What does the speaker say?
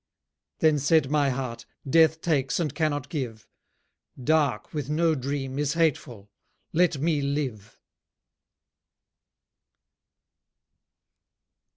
Then said my heart, Death takes and cannot give. Dark with no dream is hateful: let me live!